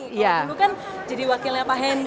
kalau dulu kan jadi wakilnya pak hendi